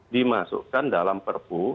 dimasukkan dalam perbu